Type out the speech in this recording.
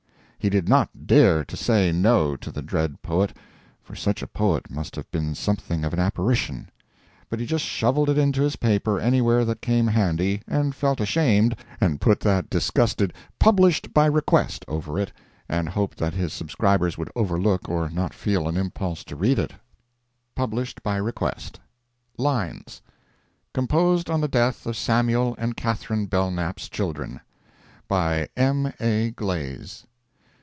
He did not dare to say no to the dread poet—for such a poet must have been something of an apparition—but he just shovelled it into his paper anywhere that came handy, and felt ashamed, and put that disgusted "Published by Request" over it, and hoped that his subscribers would overlook or not feel an impulse to read it: [Published by Request.] LINES Composed on the death of Samuel and Catharine Belknap's children. BY M. A. GLAZE.